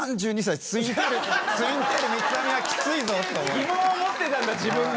疑問を持ってたんだ自分で。